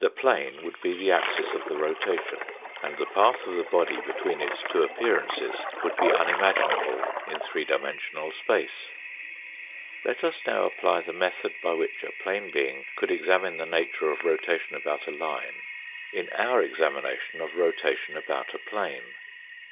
The plane would be the axis of the rotation, and the path of the body between its two appearances would be unimaginable in three dimensional space. Let us now apply the method by which a plane being could examine the nature of rota tion about a line in our examination of rotation about a plane.